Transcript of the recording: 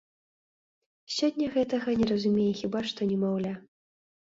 Сёння гэтага не разумее хіба што немаўля.